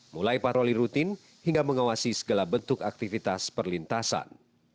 mulai patroli rutin hingga mengawasi segala bentuk aktivitas perlintasan